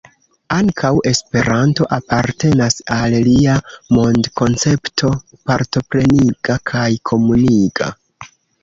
Ankaŭ Esperanto apartenas al lia mondkoncepto partopreniga kaj komuniga.